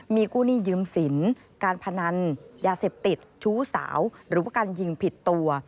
มีกู้หนี้ยืมสินการพนันยาเสพติดชู้สาวหรือว่าการยิงผิดตัว